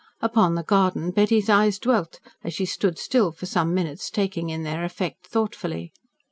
Upon the garden Betty's eyes dwelt, as she stood still for some minutes taking in their effect thoughtfully.